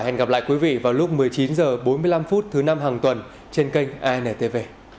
thưa quý vị vào lúc một mươi chín h bốn mươi năm thứ năm hàng tuần trên kênh antv